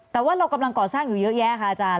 แต่ว่าเรากำลังก่อสร้างอยู่เยอะแยะค่ะอาจารย์